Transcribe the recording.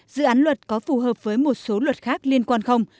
dự án luật có phù hợp với một số luật khác liên quan không